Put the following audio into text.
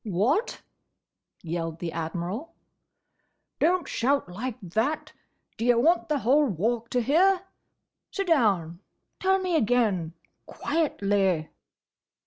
"What!" yelled the Admiral. "Don't shout like that! D' ye want the whole Walk to hear?—Sit down. Tell me again: quietly!"